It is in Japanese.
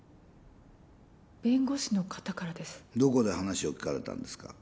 弁護士の方からですどこで聞かれたんですか？